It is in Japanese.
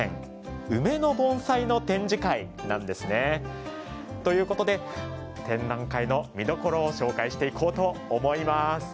梅の盆栽の展示会なんですね。ということで展覧会の見どころを紹介していこうと思います。